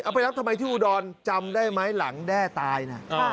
ไปรับทำไมที่อุดรจำได้ไหมหลังแด้ตายนะ